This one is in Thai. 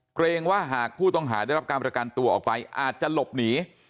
เกรงว่าหากผู้ต้องหาได้รับการประกันตัวออกไปอาจจะหลบหนี